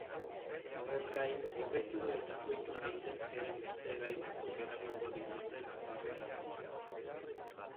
Horrez gain, hobetu eta doitu daitezkeen beste gai batzuk eramango dituzte batzarrera.